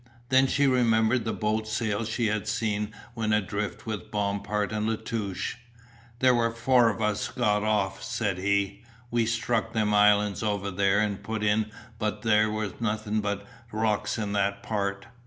Then she remembered the boat sail she had seen when adrift with Bompard and La Touche. "There were four of us got off," said he, "we struck them islands over there and put in but there was nothing but rocks in that part.